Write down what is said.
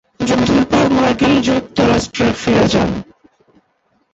যুদ্ধের পর মার্কিন যুক্তরাষ্ট্রে ফিরে যান।